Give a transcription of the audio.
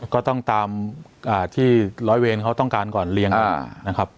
ก็ต้องตามที่ร้อยเวรเขาต้องการก่อนเลี้ยงนะครับ